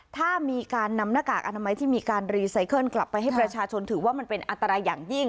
ถ้ามีการนำหน้ากากอนามัยที่มีการรีไซเคิลกลับไปให้ประชาชนถือว่ามันเป็นอันตรายอย่างยิ่ง